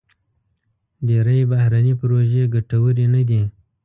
ډېری بهرني پروژې ګټورې نه دي.